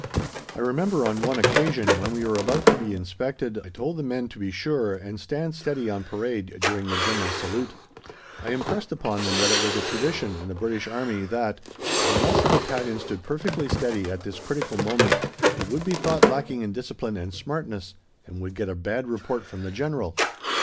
I remember on one occasion, when we were about to be inspected, I told the men to be sure and stand steady on parade during the General Salute; I impressed upon them that it was a tradition in the British Army that, unless a Battalion stood perfectly steady at this critical moment, it would be thought lacking in discipline and smartness, and would get a bad report from the General.